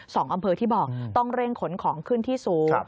สองอำเภอที่บอกต้องเร่งขนของขึ้นที่สูง